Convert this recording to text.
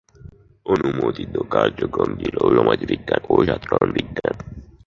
অনুমোদিত পাঠ্যক্রম ছিল সমাজবিজ্ঞান ও সাধারণ বিজ্ঞান।